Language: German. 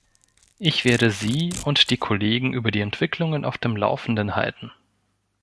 Ich werde Sie und die Kollegen über die Entwicklungen auf dem Laufenden halten.